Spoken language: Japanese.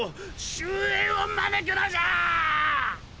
終焉を招くのじゃ！